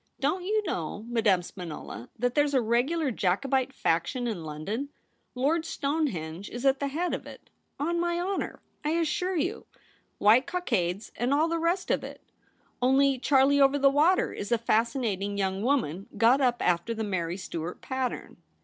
* Don't you know, Madame Spinola, that there's a regular Jacobite faction in London ? Lord Stone henge is at the head of it — on my honour, I 9—2 132 THE REBEL ROSE. assure you — White Cockades, and all the rest of it. Only *' Charlie over the Water" is a fascinating young woman got up after the Mary Stuart pattern.